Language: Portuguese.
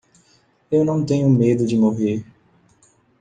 Eu não tenho medo de morrer.